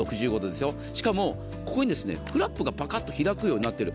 しかも、ここにフラップが開くようになってる。